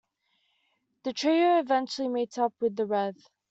The trio eventually meets up with the Rev.